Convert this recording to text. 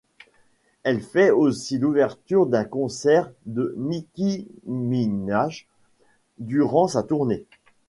Elle fait aussi l'ouverture d'un concert de Nicki Minaj durant sa tournée '.